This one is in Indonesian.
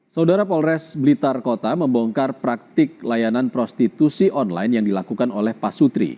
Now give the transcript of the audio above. saudara polres blitar kota membongkar praktik layanan prostitusi online yang dilakukan oleh pak sutri